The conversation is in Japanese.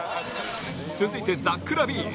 続いてザック・ラビーン